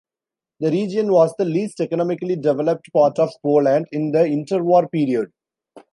The region was the least economically developed part of Poland in the interwar period.